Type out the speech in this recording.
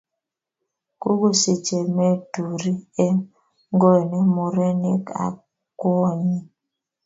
Kukusich emet turii eng ngony murenik ak kwonyii.